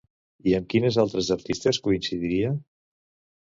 I amb quines altres artistes coincidiria?